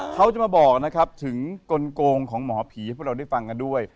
เขาจะมาบอกนะครับถึงกลงของหมอผีให้พวกเราได้ฟังกันด้วย